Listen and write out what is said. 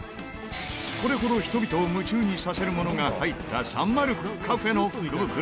これほど人々を夢中にさせるものが入ったサンマルクカフェの福袋